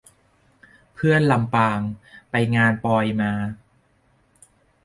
เพื่อน ลำปาง : ไปงานปอยมา